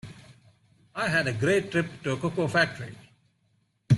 I had a great trip to a cocoa factory.